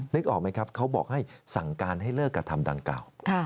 นึกออกไหมครับเขาบอกให้สั่งการให้เลิกกระทำดังกล่าว